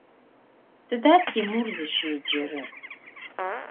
Тыда Тимур зыщеджэрэр?